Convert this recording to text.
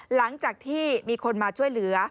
หลังจากที่มีคนมาช่วยเหลือ